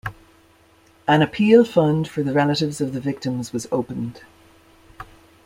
An appeal fund for the relatives of the victims was opened.